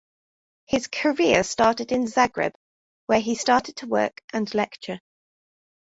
His career started in Zagreb, where he started to work and lecture.